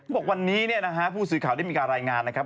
บอกวันนี้ผู้สื่อข่าวได้มีการรายงานนะครับ